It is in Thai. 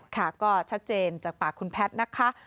ค่ะก็ชัดเจนจากปากคุณแพทย์นะคะ